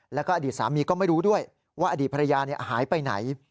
แล้วก็อดีตสามีก็ไม่รู้ด้วยว่าอดีตภรรยาหายไปไหน